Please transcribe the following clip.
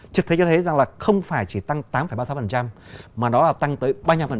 thực tế cho thấy rằng là không phải chỉ tăng tám ba mươi sáu mà đó là tăng tới ba mươi năm